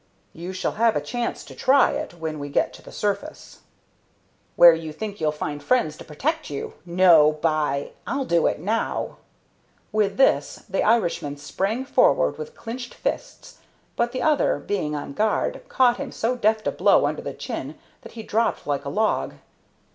"You shall have a chance to try it when we get to the surface." "Where you think you'll find friends to protect you. No, by , I'll do it now!" With this the Irishman sprang forward with clinched fists, but the other, being on guard, caught him so deft a blow under the chin that he dropped like a log.